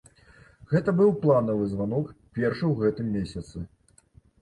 Гэта быў планавы званок, першы ў гэтым месяцы.